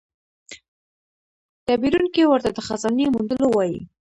تعبیرونکی ورته د خزانې موندلو وايي.